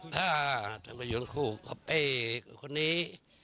ถ้าจะมาอยู่ทั้งคู่กับตัวเอกคนนี้